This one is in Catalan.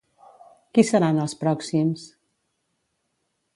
Qui seran els pròxims?